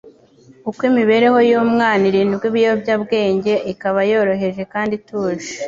Uko imibereho y'umwana irindwa ibiyobyabwenge ikaba yoroheje kandi ituje,